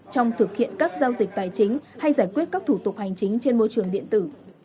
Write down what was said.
trong thực hiện các giao dịch tài chính hay giải quyết các thủ tục hành chính trên môi trường điện tử